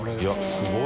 すごい。